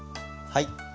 はい。